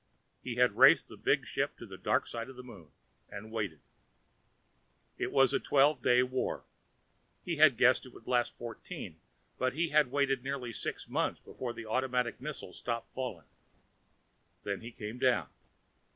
He had raced the big ship to the dark side of the Moon, and waited. It was a twelve day war he had guessed it would last fourteen but he had to wait nearly six months before the automatic missiles stopped falling. Then he had come down.